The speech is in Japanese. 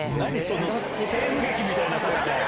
何その西部劇みたいな戦い。